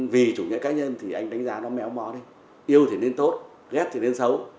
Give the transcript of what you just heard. vì chủ nghĩa cá nhân thì anh đánh giá nó méo mó đi yêu thì nên tốt ghép thì nên xấu